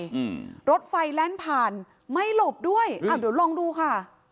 อืมรถไฟแล่นผ่านไม่หลบด้วยอ้าวเดี๋ยวลองดูค่ะ